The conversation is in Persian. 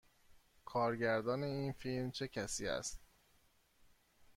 کارگردان این فیلم چه کسی است؟